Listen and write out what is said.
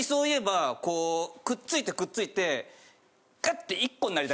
くっついてくっついて。